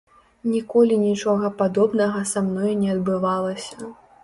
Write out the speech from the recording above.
Ніколі нічога падобнага са мной не адбывалася.